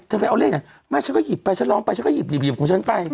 เธอไปเอาเลขไงไม่ฉันก็หยิบไปฉันร้องไปฉันก็หยิบหยิบหยิบของฉันไป